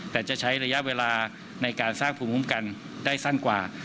แต่จะใช้ระยะเวลาในการสร้างภูมิคุ้มกันได้สั้นกว่า